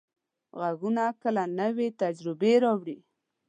غږونه کله نوې تجربې راوړي.